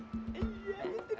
iya gitu dia